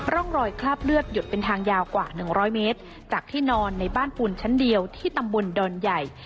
ร่องรอยคราบเลือดหยดเป็นทางยาวกว่า๑๐๐เมตรจากที่นอนในบ้านปูนชั้นเดียวที่ตำบลดอนใหญ่